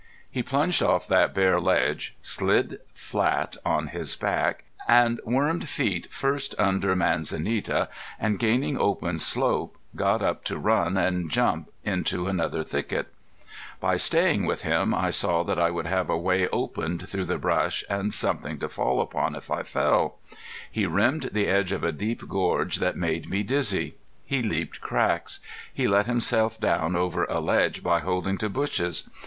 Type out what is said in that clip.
He plunged off that bare ledge, slid flat on his back, and wormed feet first under manzanita, and gaining open slope got up to run and jump into another thicket. By staying with him I saw that I would have a way opened through the brush, and something to fall upon if I fell. He rimmed the edge of a deep gorge that made me dizzy. He leaped cracks. He let himself down over a ledge by holding to bushes.